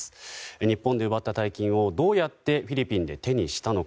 日本で奪った大金をどうやってフィリピンで手にしたのか。